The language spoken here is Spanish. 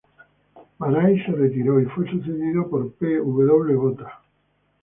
Marais se retiró y fue sucedido por P. W. Botha.